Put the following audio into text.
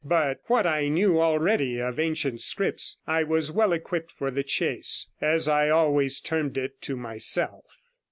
But what I knew already of ancient scripts I was well equipped for the chase, as I always termed it to myself.